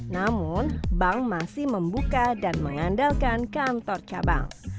namun bank masih membuka dan mengandalkan kantor cabang